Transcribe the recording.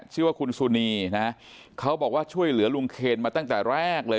ชื่อว่าคุณสุนีนะเขาบอกว่าช่วยเหลือลุงเคนมาตั้งแต่แรกเลย